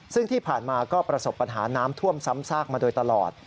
ซึ่งที่ผ่านมาก็ประสบปัญหาน้ำท่วมซ้ำซากมาโดยตลอด